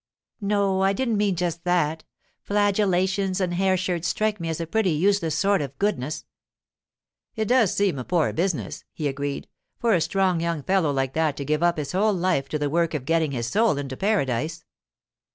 'No, I didn't mean just that. Flagellations and hair shirts strike me as a pretty useless sort of goodness.' 'It does seem a poor business,' he agreed, 'for a strong young fellow like that to give up his whole life to the work of getting his soul into paradise.